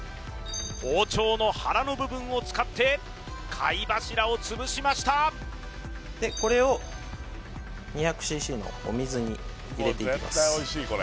包丁の腹の部分を使って貝柱を潰しましたでこれを２００ｃｃのお水に入れていきます